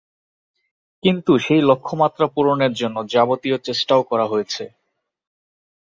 কিন্তু সেই লক্ষ্যমাত্রা পূরণের জন্য যাবতীয় চেষ্টাও করা হয়েছে।